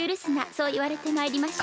そういわれてまいりました。